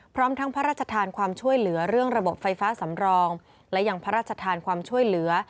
พร้อมทั้งพระราชทานความช่วยเหลือเรื่องระบบไฟฟ้าสำรองและยังพระราชทานความช่วยเหลือ